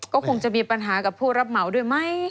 ก็คงจะมีปัญหากับผู้รับเหมาด้วยไหม